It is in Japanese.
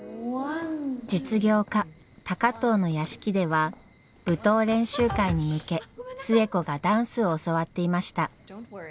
実業家高藤の屋敷では舞踏練習会に向け寿恵子がダンスを教わっていました。